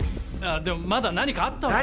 でもまだ何かあったわけじゃ。